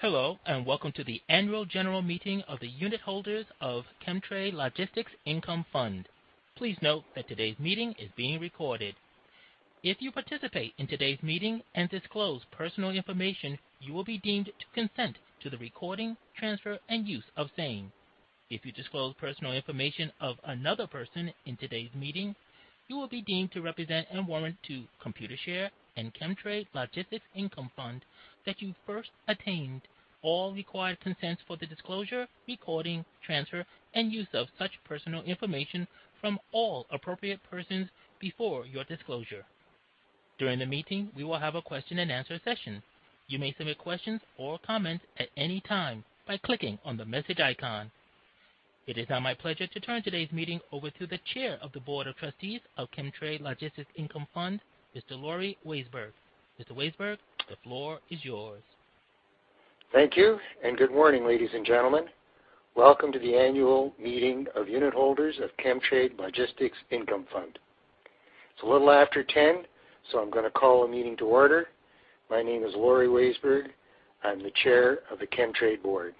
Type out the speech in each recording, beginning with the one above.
Hello, and welcome to the annual general meeting of the unitholders of Chemtrade Logistics Income Fund. Please note that today's meeting is being recorded. If you participate in today's meeting and disclose personal information, you will be deemed to consent to the recording, transfer, and use of same. If you disclose personal information of another person in today's meeting, you will be deemed to represent and warrant to Computershare and Chemtrade Logistics Income Fund that you first attained all required consents for the disclosure, recording, transfer, and use of such personal information from all appropriate persons before your disclosure. During the meeting, we will have a question-and-answer session. You may submit questions or comments at any time by clicking on the message icon. It is now my pleasure to turn today's meeting over to the Chair of the Board of Trustees of Chemtrade Logistics Income Fund, Mr. Lorie Waisberg. Mr. Waisberg, the floor is yours. Thank you. Good morning, ladies and gentlemen. Welcome to the annual meeting of unitholders of Chemtrade Logistics Income Fund. It's a little after 10. I'm gonna call a meeting to order. My name is Lorie Waisberg. I'm the Chair of the Chemtrade Board.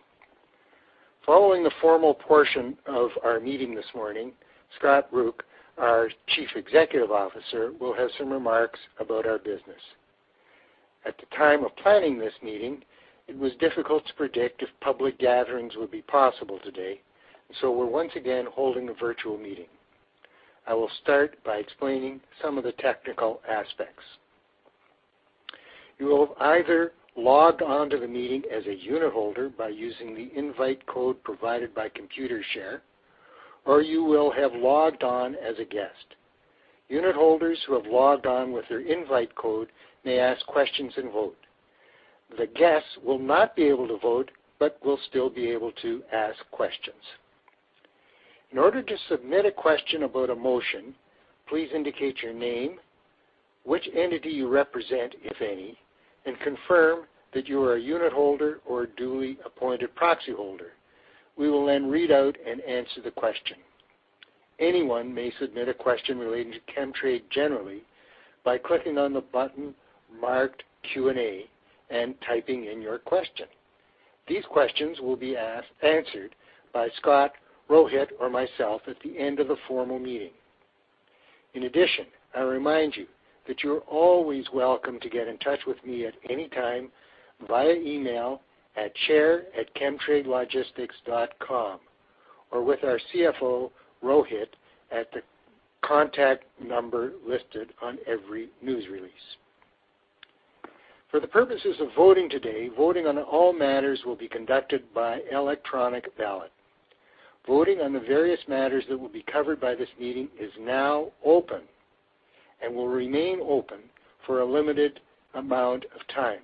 Following the formal portion of our meeting this morning, Scott Rook, our Chief Executive Officer, will have some remarks about our business. At the time of planning this meeting, it was difficult to predict if public gatherings would be possible today. We're once again holding a virtual meeting. I will start by explaining some of the technical aspects. You will have either logged on to the meeting as a unitholder by using the invite code provided by Computershare, or you will have logged on as a guest. Unitholders who have logged on with their invite code may ask questions and vote. The guests will not be able to vote but will still be able to ask questions. In order to submit a question about a motion, please indicate your name, which entity you represent, if any, and confirm that you are a unitholder or a duly appointed proxyholder. We will then read out and answer the question. Anyone may submit a question relating to Chemtrade generally by clicking on the button marked Q&A and typing in your question. These questions will be answered by Scott, Rohit, or myself at the end of the formal meeting. I remind you that you're always welcome to get in touch with me at any time via email at chair@chemtradelogistics.com or with our CFO, Rohit, at the contact number listed on every news release. For the purposes of voting today, voting on all matters will be conducted by electronic ballot. Voting on the various matters that will be covered by this meeting is now open and will remain open for a limited amount of time,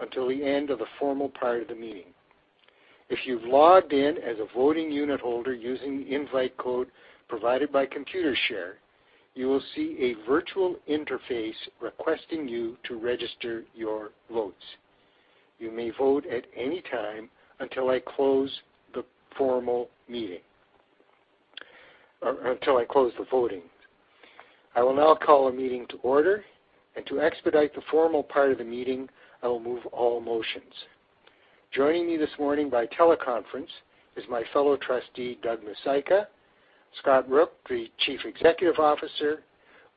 until the end of the formal part of the meeting. If you've logged in as a voting unitholder using the invite code provided by Computershare, you will see a virtual interface requesting you to register your votes. You may vote at any time until I close the formal meeting or until I close the voting. I will now call a meeting to order. To expedite the formal part of the meeting, I will move all motions. Joining me this morning by teleconference is my fellow Trustee, Douglas Muzyka, Scott Rook, the Chief Executive Officer,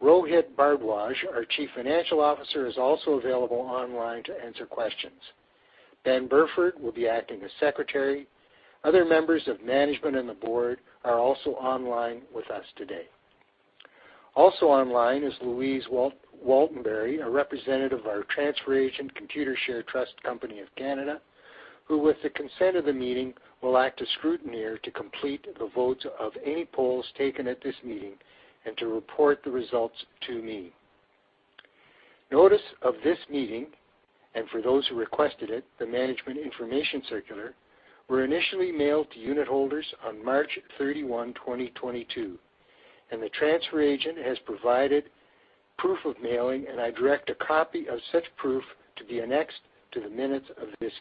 Rohit Bhardwaj, our Chief Financial Officer, is also available online to answer questions. Benjamin Burford will be acting as secretary. Other members of management and the board are also online with us today. Also online is Louise Waltenberry, a representative of our transfer agent, Computershare Trust Company of Canada, who, with the consent of the meeting, will act as scrutineer to complete the votes of any polls taken at this meeting and to report the results to me. Notice of this meeting, and for those who requested it, the Management Information Circular, were initially mailed to unitholders on March 31, 2022. The transfer agent has provided proof of mailing, and I direct a copy of such proof to be annexed to the minutes of this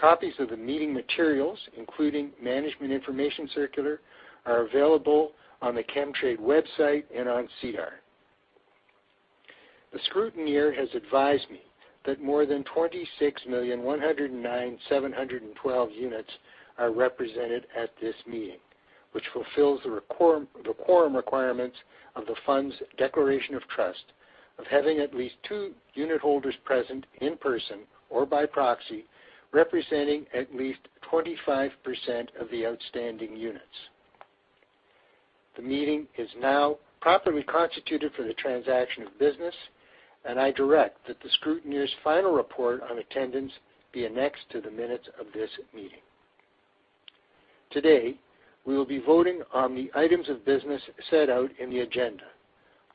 meeting. Copies of the meeting materials, including Management Information Circular, are available on the Chemtrade website and on SEDAR. The scrutineer has advised me that more than 26,109,712 units are represented at this meeting, which fulfills the quorum requirements of the Fund's Declaration of Trust of having at least two unitholders present in person or by proxy, representing at least 25% of the outstanding units. The meeting is now properly constituted for the transaction of business. I direct that the scrutineer's final report on attendance be annexed to the minutes of this meeting. Today, we will be voting on the items of business set out in the agenda.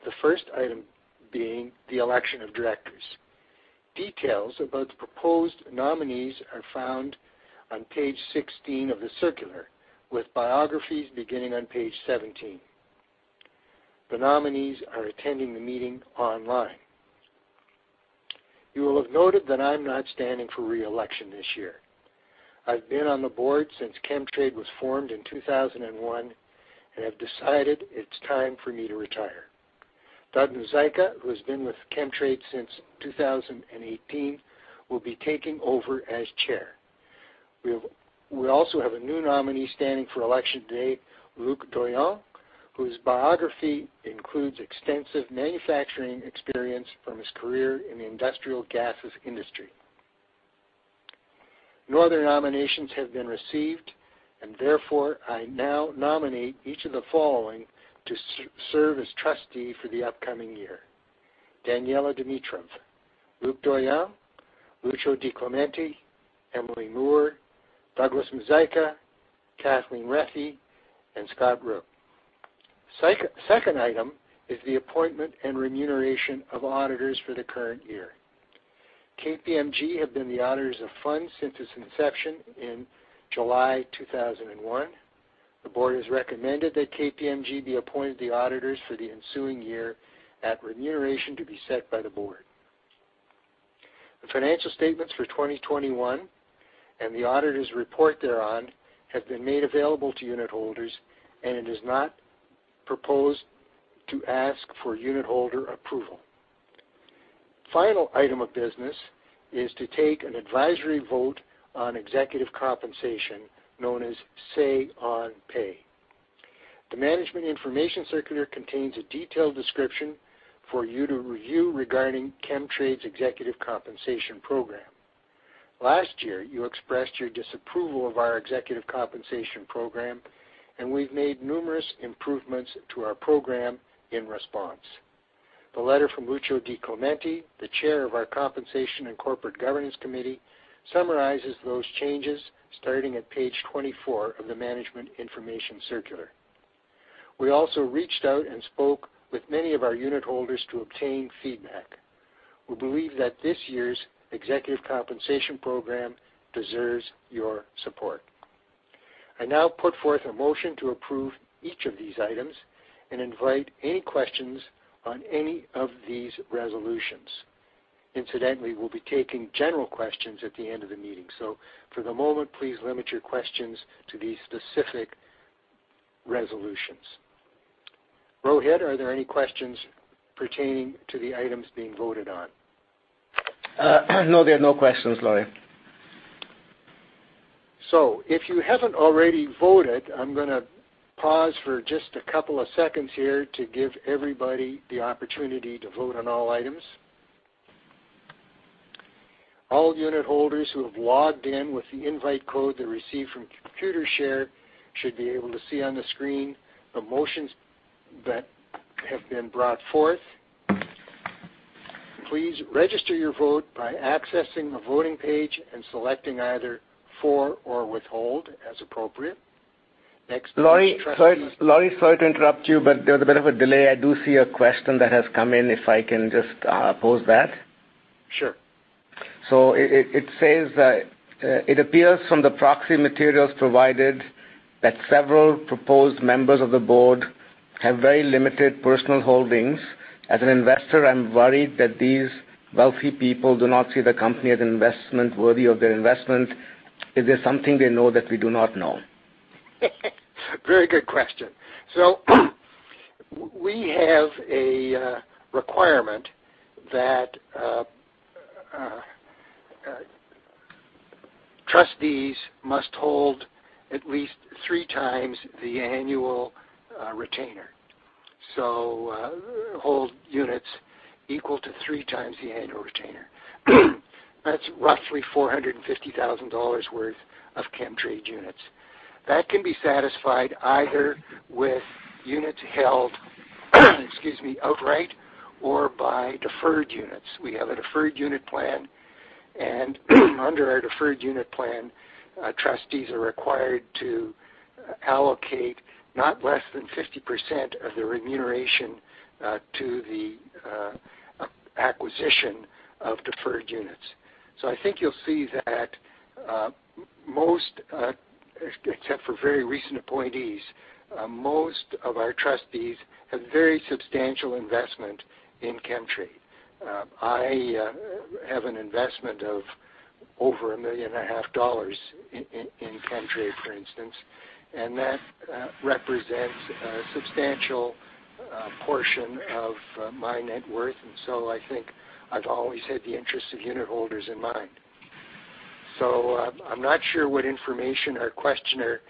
The first item being the election of directors. Details about the proposed nominees are found on page 16 of the circular, with biographies beginning on page 17. The nominees are attending the meeting online. You will have noted that I'm not standing for re-election this year. I've been on the board since Chemtrade was formed in 2001, have decided it's time for me to retire. Douglas Muzyka, who has been with Chemtrade since 2018, will be taking over as chair. We also have a new nominee standing for election today, Luc Doyon, whose biography includes extensive manufacturing experience from his career in the industrial gases industry. No other nominations have been received, therefore I now nominate each of the following to serve as trustee for the upcoming year. Daniella Dimitrov, Luc Doyon, Lucio Di Clemente, Emily Moore, Douglas Muzyka, Katherine Rethy, and Scott Rook. Second item is the appointment and remuneration of auditors for the current year. KPMG have been the auditors of Fund since its inception in July 2001. The board has recommended that KPMG be appointed the auditors for the ensuing year at remuneration to be set by the board. The financial statements for 2021 and the auditor's report thereon have been made available to unitholders, and it is not proposed to ask for unitholder approval. Final item of business is to take an advisory vote on executive compensation known as Say on Pay. The Management Information Circular contains a detailed description for you to review regarding Chemtrade's executive compensation program. Last year, you expressed your disapproval of our executive compensation program, and we've made numerous improvements to our program in response. The letter from Lucio Di Clemente, the Chair of our Human Capital and Compensation Committee, summarizes those changes starting at page 24 of the Management Information Circular. We also reached out and spoke with many of our unitholders to obtain feedback. We believe that this year's executive compensation program deserves your support. I now put forth a motion to approve each of these items and invite any questions on any of these resolutions. Incidentally, we'll be taking general questions at the end of the meeting. For the moment, please limit your questions to these specific resolutions. Rohit, are there any questions pertaining to the items being voted on? No, there are no questions, Lorie. If you haven't already voted, I'm gonna pause for just a couple of seconds here to give everybody the opportunity to vote on all items. All unitholders who have logged in with the invite code they received from Computershare should be able to see on the screen the motions that have been brought forth. Please register your vote by accessing the voting page and selecting either For or Withhold as appropriate. Next, please. Lorie, sorry to interrupt you, but there was a bit of a delay. I do see a question that has come in, if I can just pose that. Sure. It says that, it appears from the proxy materials provided that several proposed members of the Board have very limited personal holdings. As an investor, I'm worried that these wealthy people do not see the company as an investment worthy of their investment. Is there something they know that we do not know? Very good question. We have a requirement that trustees must hold at least three times the annual retainer. Hold units equal to three times the annual retainer. That's roughly 450,000 dollars worth of Chemtrade units. That can be satisfied either with units held, excuse me, outright or by deferred units. We have a deferred unit plan, under our deferred unit plan, trustees are required to allocate not less than 50% of their remuneration to the acquisition of deferred units. I think you'll see that most, except for very recent appointees, most of our trustees have very substantial investment in Chemtrade. I have an investment of over a 1.5 million in Chemtrade, for instance, and that represents a substantial portion of my net worth. I think I've always had the interest of unitholders in mind. I'm not sure what information our questioner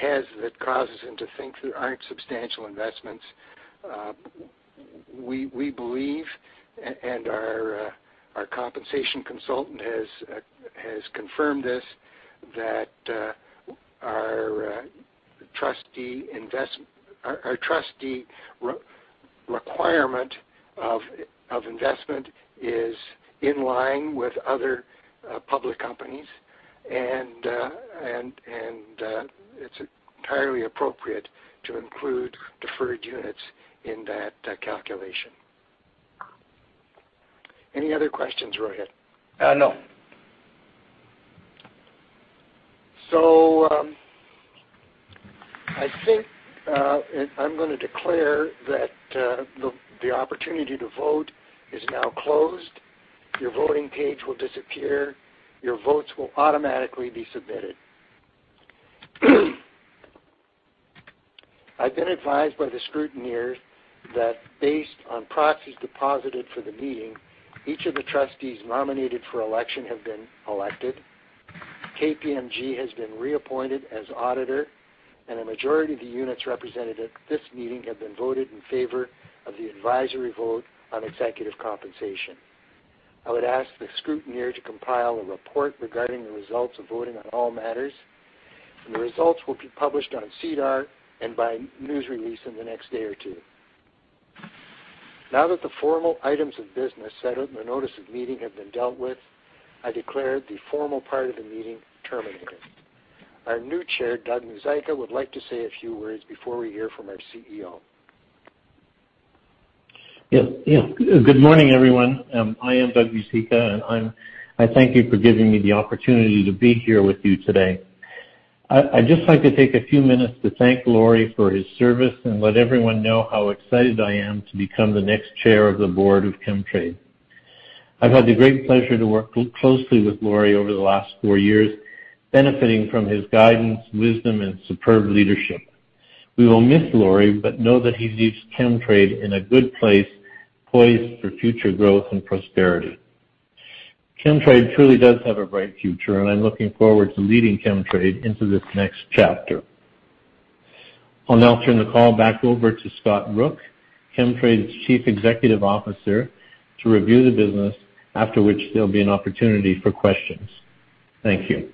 has that causes him to think there aren't substantial investments. We believe, and our compensation consultant has confirmed this, that our trustee requirement of investment is in line with other public companies, and it's entirely appropriate to include deferred units in that calculation. Any other questions, Rohit? No. So I think I'm going to declare that the opportunity to vote is now closed. Your voting page will disappear. Your votes will automatically be submitted. I've been advised by the scrutineer that based on proxies deposited for the meeting, each of the trustees nominated for election have been elected. KPMG has been reappointed as auditor. A majority of the units represented at this meeting have been voted in favor of the advisory vote on executive compensation. I would ask the scrutineer to compile a report regarding the results of voting on all matters. The results will be published on SEDAR and by news release in the next day or two. That the formal items of business set out in the notice of meeting have been dealt with, I declare the formal part of the meeting terminated. Our new Chair, Doug Muzyka, would like to say a few words before we hear from our CEO. Yeah. Good morning, everyone. I am Douglas Muzyka, and I thank you for giving me the opportunity to be here with you today. I'd just like to take a few minutes to thank Lorie for his service and let everyone know how excited I am to become the next Chair of the Board of Chemtrade. I've had the great pleasure to work closely with Lorie over the last four years, benefiting from his guidance, wisdom, and superb leadership. We will miss Lorie, know that he leaves Chemtrade in a good place, poised for future growth and prosperity. Chemtrade truly does have a bright future, I'm looking forward to leading Chemtrade into this next chapter. I'll now turn the call back over to Scott Rook, Chemtrade's Chief Executive Officer, to review the business, after which there'll be an opportunity for questions. Thank you.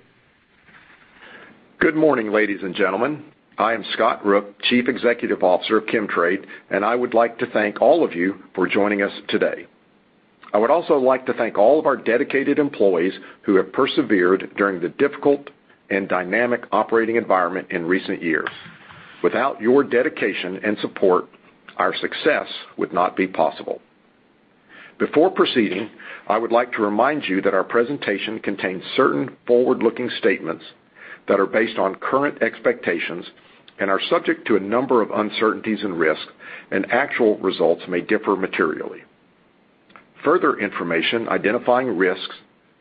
Good morning, ladies and gentlemen. I am Scott Rook, Chief Executive Officer of Chemtrade, and I would like to thank all of you for joining us today. I would also like to thank all of our dedicated employees who have persevered during the difficult and dynamic operating environment in recent years. Without your dedication and support, our success would not be possible. Before proceeding, I would like to remind you that our presentation contains certain forward-looking statements that are based on current expectations and are subject to a number of uncertainties and risks, and actual results may differ materially. Further information identifying risks,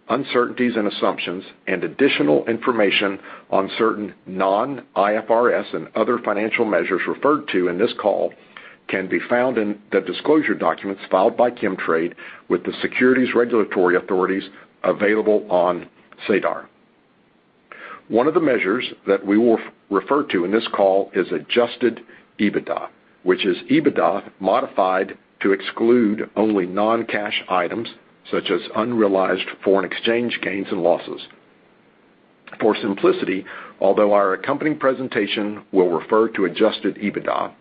uncertainties, and assumptions, and additional information on certain non-IFRS and other financial measures referred to in this call can be found in the disclosure documents filed by Chemtrade with the securities regulatory authorities available on SEDAR. One of the measures that we will refer to in this call is Adjusted EBITDA, which is EBITDA modified to exclude only non-cash items such as unrealized foreign exchange gains and losses. For simplicity, although our accompanying presentation will refer to Adjusted EBITDA,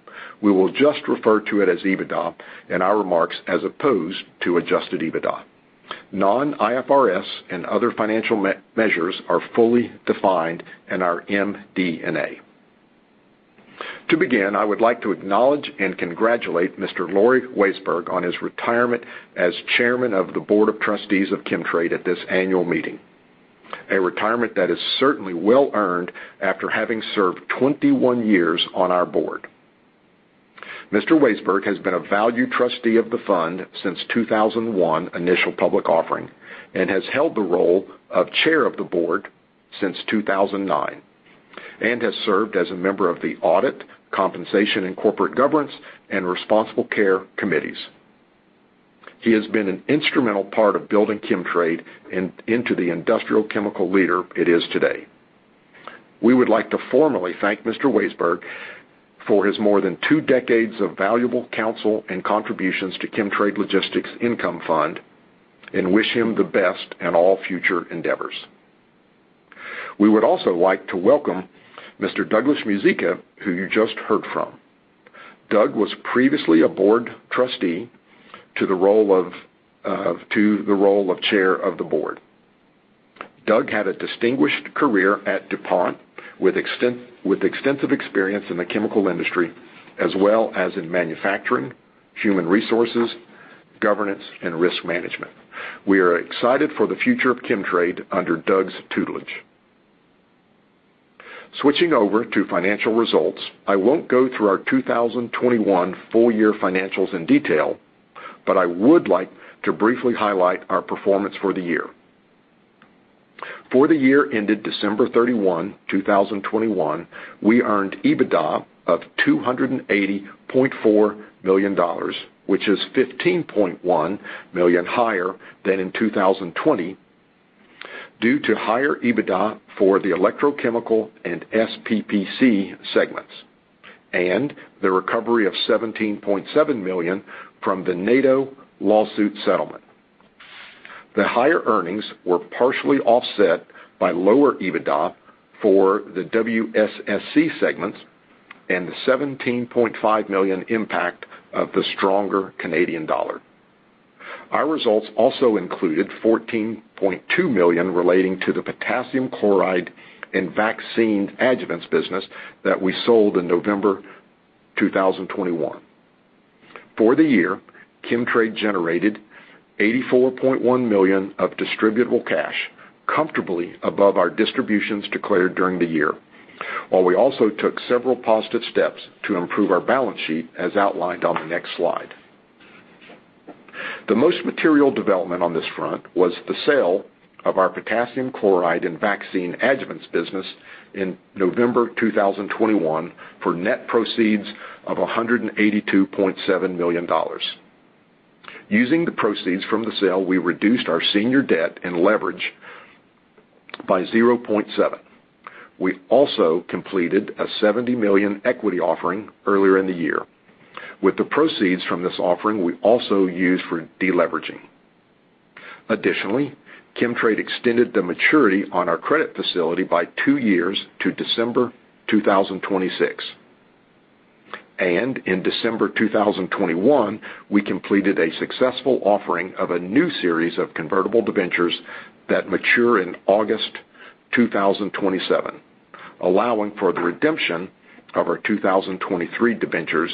we will just refer to it as EBITDA in our remarks as opposed to Adjusted EBITDA. Non-IFRS and other financial measures are fully defined and our MD&A. To begin, I would like to acknowledge and congratulate Mr. Lorie Waisberg on his retirement as Chairman of the Board of Trustees of Chemtrade at this annual meeting, a retirement that is certainly well earned after having served 21 years on our board. Lorie Waisberg has been a valued trustee of the fund since 2001 initial public offering, and has held the role of Chair of the Board since 2009, and has served as a member of the Audit, Compensation and Corporate Governance, and Responsible Care committees. She has been an instrumental part of building Chemtrade into the industrial chemical leader it is today. We would like to formally thank Lorie Waisberg for her more than two decades of valuable counsel and contributions to Chemtrade Logistics Income Fund and wish her the best in all future endeavors. We would also like to welcome Mr. Douglas Muzyka, who you just heard from. Doug was previously a board trustee to the role of Chair of the Board. Doug had a distinguished career at DuPont with extensive experience in the chemical industry as well as in manufacturing, human resources, governance, and risk management. We are excited for the future of Chemtrade under Doug's tutelage. Switching over to financial results, I won't go through our 2021 full year financials in detail. I would like to briefly highlight our performance for the year. For the year ended December 31st, 2021, we earned EBITDA of 280.4 million dollars, which is 15.1 million higher than in 2020 due to higher EBITDA for the electrochemical and SPPC segments, and the recovery of 17.7 million from the NATO lawsuit settlement. The higher earnings were partially offset by lower EBITDA for the WSSC segments and the 17.5 million impact of the stronger Canadian dollar. Our results also included 14.2 million relating to the Potassium Chloride and Vaccine Adjuvants business that we sold in November 2021. For the year, Chemtrade generated 84.1 million of distributable cash comfortably above our distributions declared during the year. While we also took several positive steps to improve our balance sheet, as outlined on the next slide. The most material development on this front was the sale of our Potassium Chloride and Vaccine Adjuvants business in November 2021 for net proceeds of 182.7 million dollars. Using the proceeds from the sale, we reduced our senior debt and leverage by 0.7. We also completed a 70 million equity offering earlier in the year. With the proceeds from this offering, we also used for deleveraging. Additionally, Chemtrade extended the maturity on our credit facility by 2 years to December 2026. In December 2021, we completed a successful offering of a new series of convertible debentures that mature in August 2027, allowing for the redemption of our 2023 debentures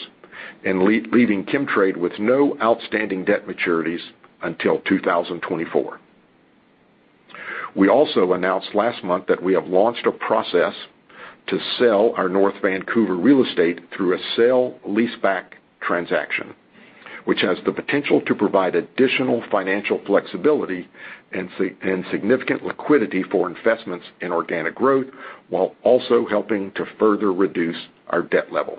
and leading Chemtrade with no outstanding debt maturities until 2024. We also announced last month that we have launched a process to sell our North Vancouver real estate through a sale-leaseback transaction, which has the potential to provide additional financial flexibility and significant liquidity for investments in organic growth, while also helping to further reduce our debt level.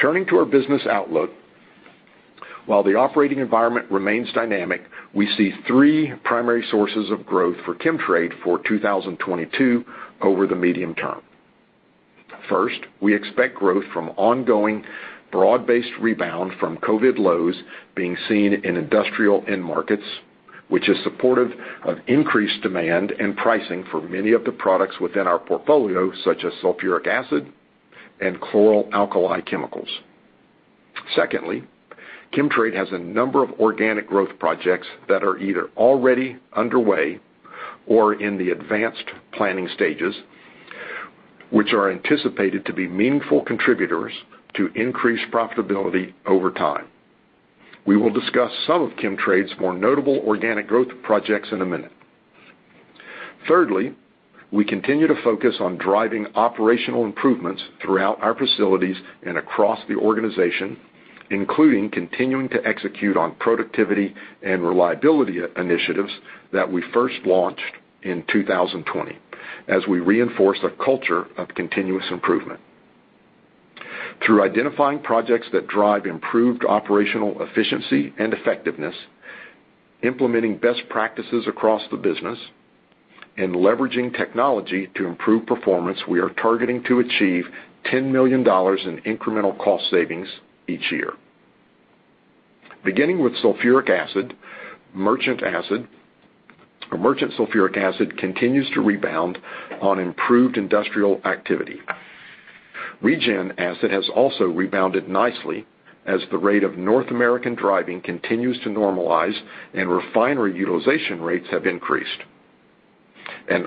Turning to our business outlook. While the operating environment remains dynamic, we see 3 primary sources of growth for Chemtrade for 2022 over the medium term. First, we expect growth from ongoing broad-based rebound from COVID lows being seen in industrial end markets, which is supportive of increased demand and pricing for many of the products within our portfolio, such as Sulphuric Acid and Chlor-Alkali chemicals. Secondly, Chemtrade has a number of organic growth projects that are either already underway or in the advanced planning stages, which are anticipated to be meaningful contributors to increased profitability over time. We will discuss some of Chemtrade's more notable organic growth projects in a minute. Thirdly, we continue to focus on driving operational improvements throughout our facilities and across the organization, including continuing to execute on productivity and reliability initiatives that we first launched in 2020 as we reinforce a culture of continuous improvement. Through identifying projects that drive improved operational efficiency and effectiveness, implementing best practices across the business, and leveraging technology to improve performance, we are targeting to achieve 10 million dollars in incremental cost savings each year. Beginning with Sulphuric Acid, merchant Sulphuric Acid continues to rebound on improved industrial activity. Regen acid has also rebounded nicely as the rate of North American driving continues to normalize and refinery utilization rates have increased.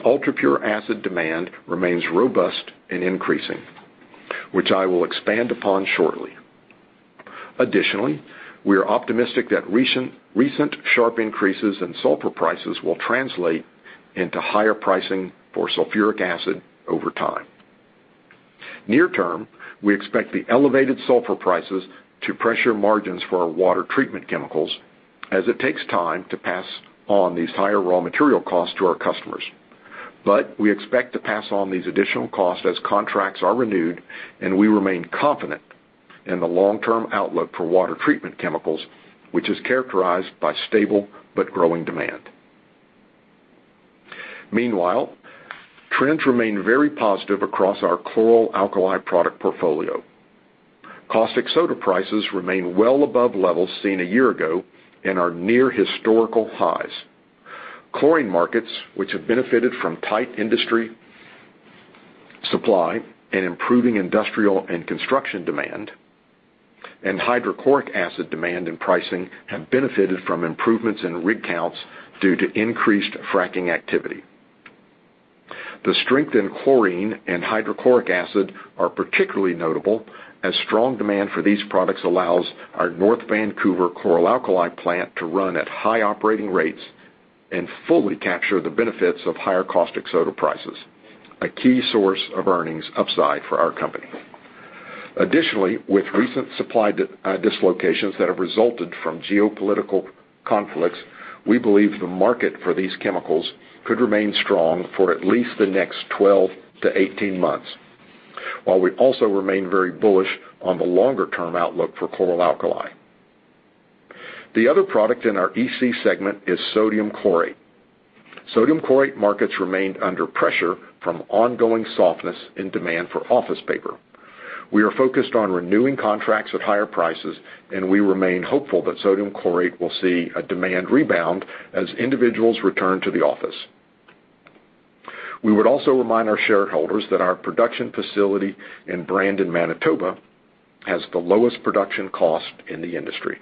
ultrapure acid demand remains robust and increasing, which I will expand upon shortly. Additionally, we are optimistic that recent sharp increases in sulfur prices will translate into higher pricing for Sulphuric Acid over time. Near term, we expect the elevated sulfur prices to pressure margins for our water treatment chemicals as it takes time to pass on these higher raw material costs to our customers. But we expect to pass on these additional costs as contracts are renewed, and we remain confident in the long-term outlook for water treatment chemicals, which is characterized by stable but growing demand. Meanwhile, trends remain very positive across our Chlor-Alkali product portfolio. Caustic Soda prices remain well above levels seen a year ago and are near historical highs. Chlorine markets, which have benefited from tight industry supply and improving industrial and construction demand, and Hydrochloric Acid demand and pricing have benefited from improvements in rig counts due to increased fracking activity. The strength in Chlorine and Hydrochloric Acid are particularly notable as strong demand for these products allows our North Vancouver Chlor-Alkali plant to run at high operating rates and fully capture the benefits of higher Caustic Soda prices, a key source of earnings upside for our company. Additionally, with recent supply dislocations that have resulted from geopolitical conflicts, we believe the market for these chemicals could remain strong for at least the next 12-18 months, while we also remain very bullish on the longer-term outlook for Chlor-Alkali. The other product in our EC segment is Sodium Chlorate. Sodium Chlorate markets remained under pressure from ongoing softness in demand for office paper. We are focused on renewing contracts at higher prices, and we remain hopeful that Sodium Chlorate will see a demand rebound as individuals return to the office. We would also remind our shareholders that our production facility in Brandon, Manitoba, has the lowest production cost in the industry.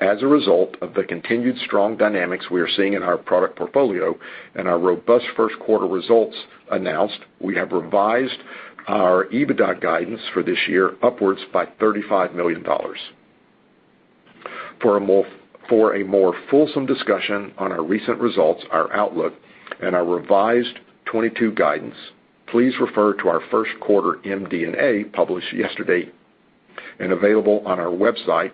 As a result of the continued strong dynamics we are seeing in our product portfolio and our robust first quarter results announced, we have revised our EBITDA guidance for this year upwards by 35 million dollars. For a more fulsome discussion on our recent results, our outlook, and our revised 2022 guidance. Please refer to our first quarter MD&A published yesterday and available on our website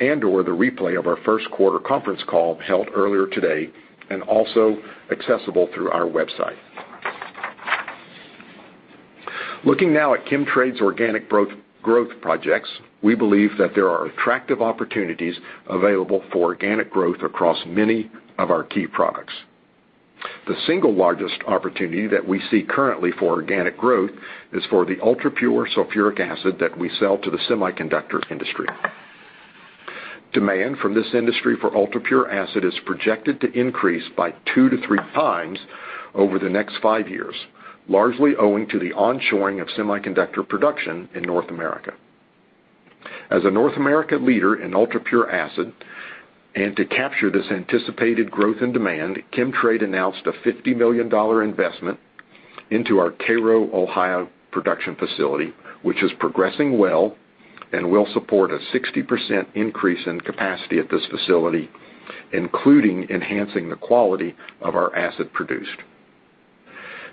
and or the replay of our first quarter conference call held earlier today and also accessible through our website. Looking now at Chemtrade's organic growth projects, we believe that there are attractive opportunities available for organic growth across many of our key products. The single largest opportunity that we see currently for organic growth is for the UltraPure Sulphuric Acid that we sell to the semiconductor industry. Demand from this industry for UltraPure acid is projected to increase by 2-3 times over the next five years, largely owing to the on-shoring of semiconductor production in North America. As a North American leader in UltraPure acid, and to capture this anticipated growth in demand, Chemtrade announced a 50 million dollar investment into our Cairo, Ohio, production facility, which is progressing well and will support a 60% increase in capacity at this facility, including enhancing the quality of our acid produced.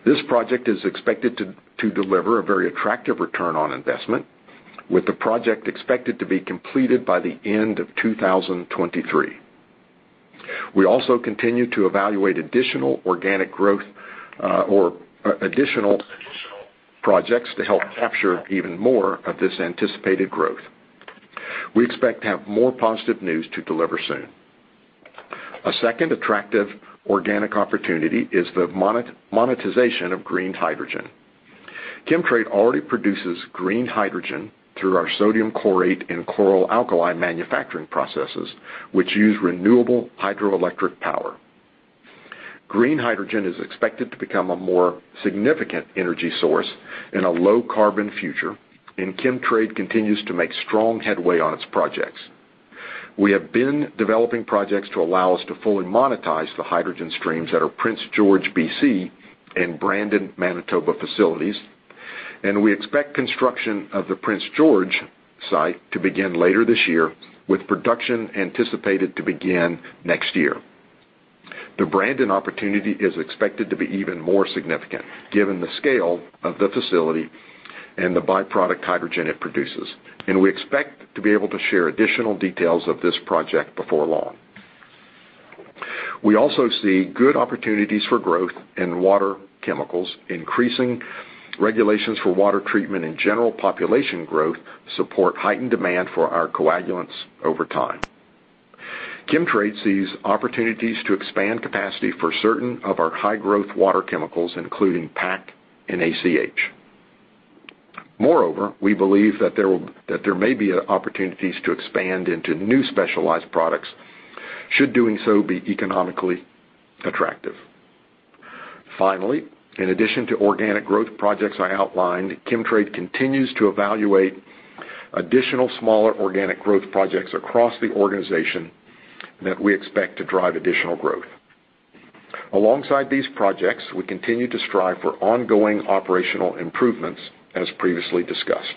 This project is expected to deliver a very attractive return on investment, with the project expected to be completed by the end of 2023. We also continue to evaluate additional organic growth, or additional projects to help capture even more of this anticipated growth. We expect to have more positive news to deliver soon. A second attractive organic opportunity is the monetization of green hydrogen. Chemtrade already produces green hydrogen through our sodium chlorate and Chlor-Alkali manufacturing processes, which use renewable hydroelectric power. Green hydrogen is expected to become a more significant energy source in a low carbon future. Chemtrade continues to make strong headway on its projects. We have been developing projects to allow us to fully monetize the hydrogen streams at our Prince George, B.C. and Brandon, Manitoba facilities. We expect construction of the Prince George site to begin later this year, with production anticipated to begin next year. The Brandon opportunity is expected to be even more significant given the scale of the facility and the byproduct hydrogen it produces. We expect to be able to share additional details of this project before long. We also see good opportunities for growth in water chemicals. Increasing regulations for water treatment and general population growth support heightened demand for our coagulants over time. Chemtrade sees opportunities to expand capacity for certain of our high-growth water chemicals, including PAC and ACH. Moreover, we believe that there may be opportunities to expand into new specialized products should doing so be economically attractive. Finally, in addition to organic growth projects I outlined, Chemtrade continues to evaluate additional smaller organic growth projects across the organization that we expect to drive additional growth. Alongside these projects, we continue to strive for ongoing operational improvements as previously discussed.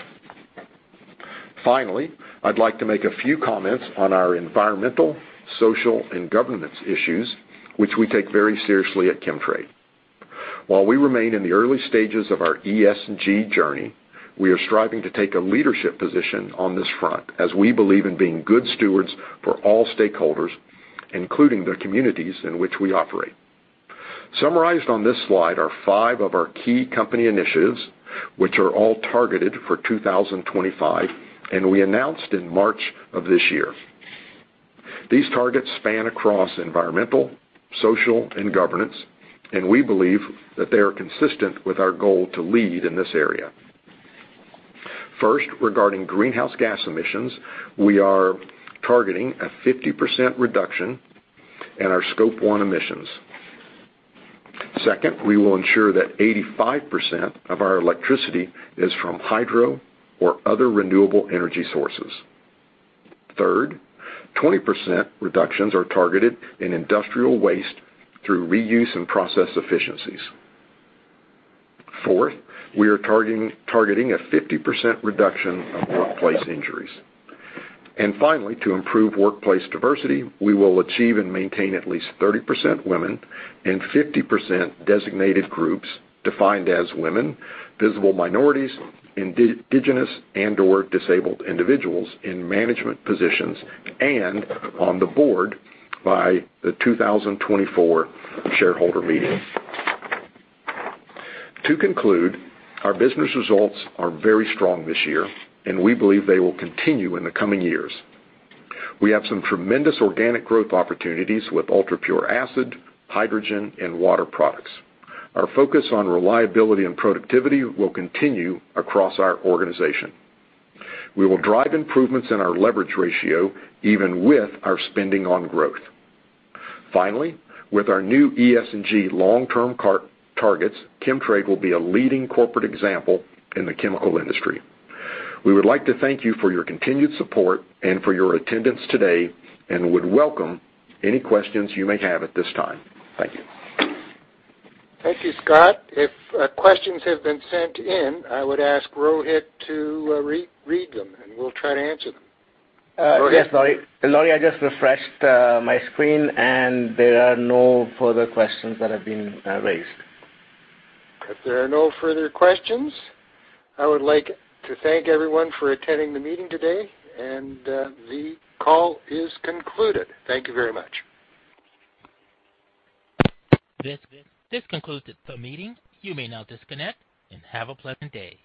Finally, I'd like to make a few comments on our environmental, social, and governance issues, which we take very seriously at Chemtrade. While we remain in the early stages of our ESG journey, we are striving to take a leadership position on this front as we believe in being good stewards for all stakeholders, including the communities in which we operate. Summarized on this slide are five of our key company initiatives, which are all targeted for 2025, and we announced in March of this year. These targets span across environmental, social, and governance, and we believe that they are consistent with our goal to lead in this area. First, regarding greenhouse gas emissions, we are targeting a 50% reduction in our Scope 1 emissions. Second, we will ensure that 85% of our electricity is from hydro or other renewable energy sources. Third, 20% reductions are targeted in industrial waste through reuse and process efficiencies. Fourth, we are targeting a 50% reduction of workplace injuries. Finally, to improve workplace diversity, we will achieve and maintain at least 30% women and 50% designated groups defined as women, visible minorities, indigenous and/or disabled individuals in management positions and on the board by the 2024 shareholder meeting. To conclude, our business results are very strong this year, and we believe they will continue in the coming years. We have some tremendous organic growth opportunities with UltraPure acid, hydrogen, and water products. Our focus on reliability and productivity will continue across our organization. We will drive improvements in our leverage ratio even with our spending on growth. Finally, with our new ESG long-term targets, Chemtrade will be a leading corporate example in the chemical industry. We would like to thank you for your continued support and for your attendance today and would welcome any questions you may have at this time. Thank you. Thank you, Scott. If questions have been sent in, I would ask Rohit to re-read them, and we'll try to answer them. Yes, Lorie. Lorie, I just refreshed my screen, and there are no further questions that have been raised. If there are no further questions, I would like to thank everyone for attending the meeting today, and, the call is concluded. Thank you very much. This concludes the meeting. You may now disconnect and have a pleasant day.